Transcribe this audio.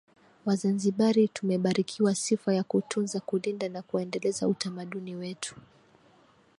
Wazanzibari tumebarikiwa sifa ya kutunza kulinda na kuendeleza utamaduni wetu